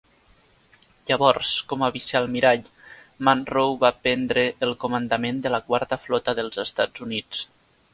Llavors, com a vicealmirall, Munroe va prendre el comandament de la Quarta Flota dels Estats Units.